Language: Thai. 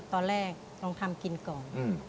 ตอนแรกลองทำกินก่อน